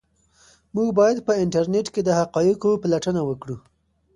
موږ باید په انټرنيټ کې د حقایقو پلټنه وکړو.